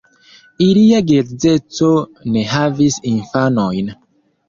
Ilia geedzeco ne havis infanojn.